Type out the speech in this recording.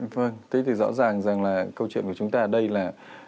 vâng tôi thấy rõ ràng rằng là câu chuyện của chúng ta đây là